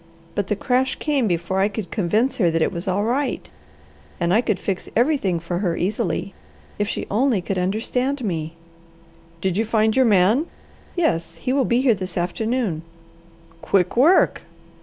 "But the crash came before I could convince her that it was all right and I could fix everything for her easily. If she only could understand me!" "Did you find your man?" "Yes. He will be here this afternoon." "Quick work!"